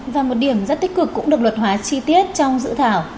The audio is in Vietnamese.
và một điểm rất tích cực cũng được luật hóa chi tiết trong dự thảo